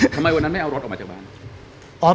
ทำไมวันนั้นไม่เอารถออกมาจากบ้าน